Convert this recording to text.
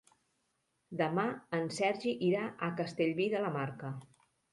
Demà en Sergi irà a Castellví de la Marca.